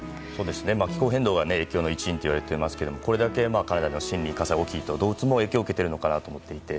気候変動が影響の一因と言われていますけどこれだけ森林火災が起きていると動物も影響を受けているのかなと思っていて。